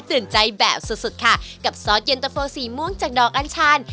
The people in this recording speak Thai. ตื่นใจแบบสุดค่ะกับซอสยนตะโฟร์สีม่วงจากดอกอลชาญ